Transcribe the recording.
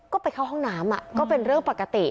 ก็ไปเข้าห้องน้ำก็เป็นเรื่องปกติ